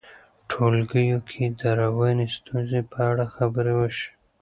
ټولګیو کې د رواني ستونزو په اړه خبرې وشي.